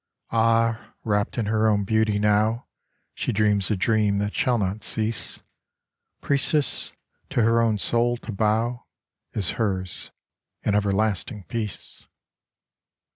Ah, wrapped in her own beauty now, She dreams a dream that shall not cease : Priestess to her own soul to bow Is hers, in everlasting peace.